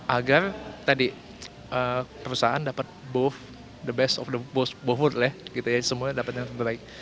agar perusahaan dapat memiliki kebaikan di kedua dunia